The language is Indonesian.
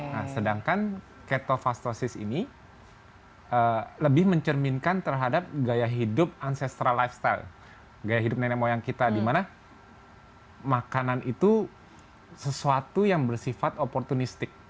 nah sedangkan ketofastosis ini lebih mencerminkan terhadap gaya hidup ancestra lifestyle gaya hidup nenek moyang kita dimana makanan itu sesuatu yang bersifat opportunistik